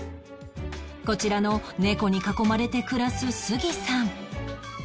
こちらの猫に囲まれて暮らす杉さん